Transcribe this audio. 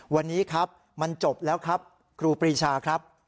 วันนี้ครับมันจบแล้วครับครูปรีชาครับ